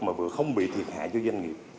mà vừa không bị thiệt hại cho doanh nghiệp